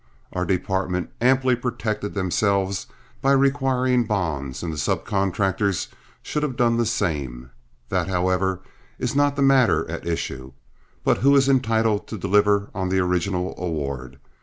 Our department amply protected themselves by requiring bonds, and the sub contractors should have done the same. That, however, is not the matter at issue, but who is entitled to deliver on the original award.